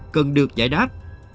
cần được giải đáp